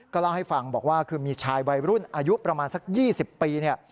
เล่าให้ฟังบอกว่าคือมีชายวัยรุ่นอายุประมาณสัก๒๐ปีเนี่ย